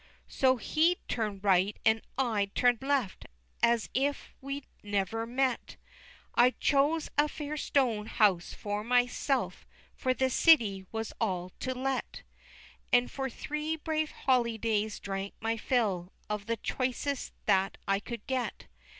XX. So he turn'd right and I turn'd left, As if we had never met; And I chose a fair stone house for myself, For the city was all to let; And for three brave holydays drank my fill Of the choicest that I could get.